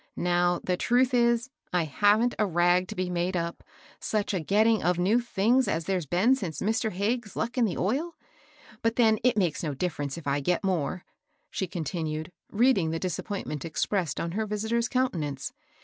Now, the truth is, I haven't a rag to be made up, such a getting of new things as there's been since Mr. Hagges's luck in the oil ; but then it makes no difference if I get more," she con tinued, reading the disappointment expressed on her visitor's countenance.